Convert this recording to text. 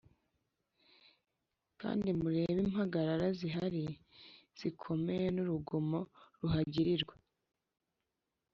kandi murebe impagarara zihari zikomeye n’urugomo ruhagirirwa.”